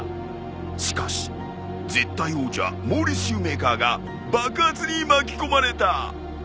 しかし絶対王者モーリスシューメーカーが爆発に巻き込まれた。